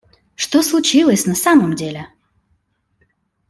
Что случилось на самом деле?